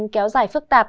kéo dài phức tạp